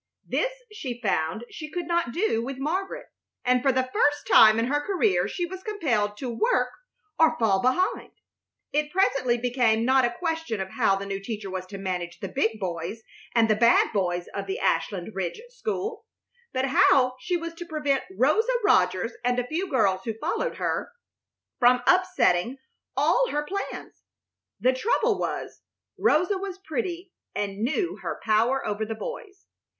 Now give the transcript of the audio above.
This she found she could not do with Margaret, and for the first time in her career she was compelled to work or fall behind. It presently became not a question of how the new teacher was to manage the big boys and the bad boys of the Ashland Ridge School, but how she was to prevent Rosa Rogers and a few girls who followed her from upsetting all her plans. The trouble was, Rosa was pretty and knew her power over the boys.